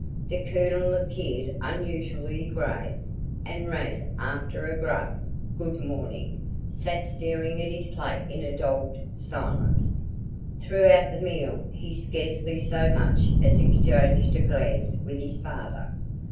The Colonel appeared unusually grave, and Rad, after a gruff "good morning," sat staring at his plate in a dogged silence. Throughout the meal he scarcely so much as exchanged a glance with his father.